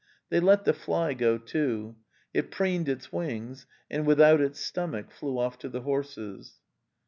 They let the fly go, too. It preened its wings, and without its stomach flew off to the horses.